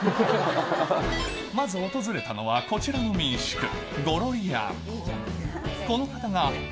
まず訪れたのはこちらの民宿、ごろり庵。